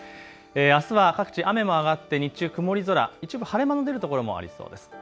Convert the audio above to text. あすは各地雨は上がって日中曇り空、一部晴れ間の出る所もありそうです。